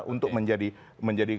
untuk menjadi pemerintah